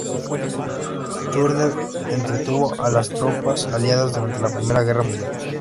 Turner entretuvo a las tropas aliadas durante la Primera Guerra Mundial.